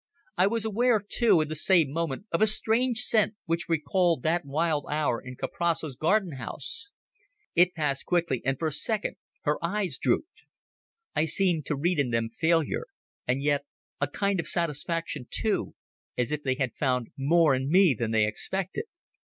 I was aware, too, in the same moment of a strange scent which recalled that wild hour in Kuprasso's garden house. It passed quickly, and for a second her eyes drooped. I seemed to read in them failure, and yet a kind of satisfaction, too, as if they had found more in me than they expected.